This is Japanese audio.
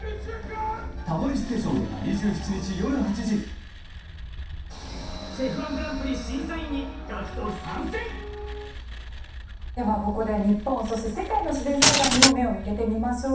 不眠には緑の漢方セラピーではここで日本そして世界の自然災害にも目を向けてみましょう。